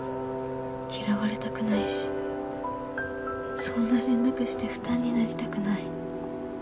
嫌われたくないしそんな連絡して負担になりたくない。